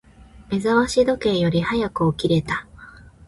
目覚まし時計より早く起きれた。